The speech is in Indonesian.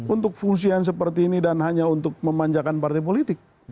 untuk fungsi yang seperti ini dan hanya untuk memanjakan partai politik